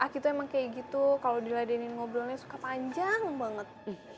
aku tuh emang kayak gitu kalau diladenin ngobrolnya suka panjang banget